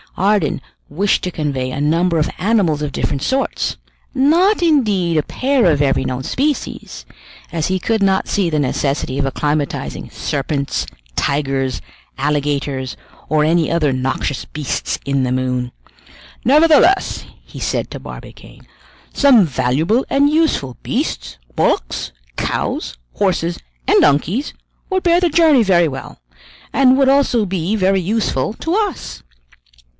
Ardan wished to convey a number of animals of different sorts, not indeed a pair of every known species, as he could not see the necessity of acclimatizing serpents, tigers, alligators, or any other noxious beasts in the moon. "Nevertheless," he said to Barbicane, "some valuable and useful beasts, bullocks, cows, horses, and donkeys, would bear the journey very well, and would also be very useful to us."